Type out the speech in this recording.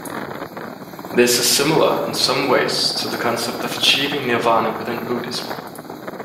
This is similar in some ways to the concept of achieving Nirvana within Buddhism.